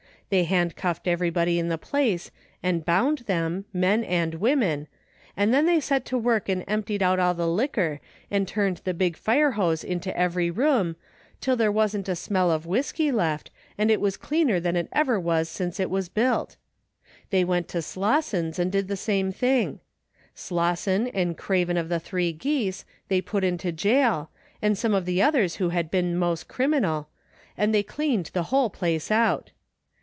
They handcuffed everybody in the place and bound them, men and women, and then they set to work and emptied out all the liquor and turned 258 THE FINDING OF JASPER HOLT the big fire hose into every room till there wasn't a smell of whiskey left, and it was cleaner than it ever was since it was built. They went to Slosson's and did the same thing. Slosson, and Craven of The Three Geese, they put into jail, and some of the others who had been most criminal, and they cleaned the whole place out.